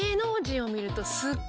すっごい。